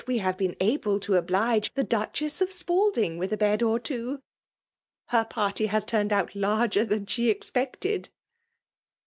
e hare htxm wkle (o obHge the Duchess of Spalding i»ilh ^ bed or two. Her party has turned out larger than she expected